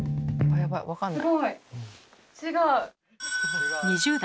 え分かんない。